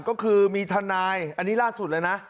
ก็คือมีทนายอันนี้ล่าสุดเลยนะ